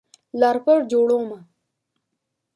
لار پر جوړومه